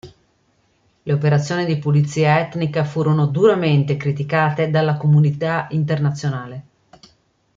Le operazioni di pulizia etnica furono duramente criticate dalla comunità internazionale.